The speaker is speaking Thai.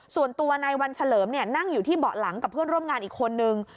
ส่วนตัวนายวันเฉลิมนั่งอยู่ที่เบาะหลังกับเพื่อนร่วมงานอีกคนนึง